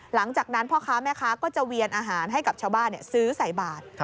หลังจากนั้นพ่อค้าแม่ค้าก็จะเวียนอาหารให้กับชาวบ้านซื้อใส่บาท